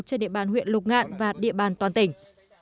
trên địa bàn huyện lục ngạn và địa bàn toàn tỉnh